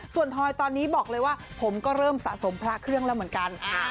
ส่วนทอยตอนนี้บอกเลยว่าผมก็เริ่มสะสมพระเครื่องแล้วเหมือนกัน